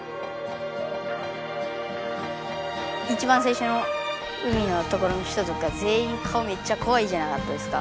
いちばん最初の海のところの人とかぜんいん顔めっちゃこわいじゃなかったですか。